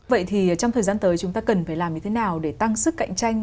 vậy thì trong thời gian tới chúng ta cần phải làm như thế nào để tăng sức cạnh tranh